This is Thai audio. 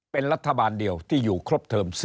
เป็นรัฐบาลเดียวที่อยู่ครบเทอม๔